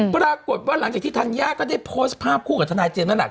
พี่เอ็กซ์นะหลังจากที่ทันยากก็ได้โพสต์ภาพคู่กับทนายเจียงนั่นแหละ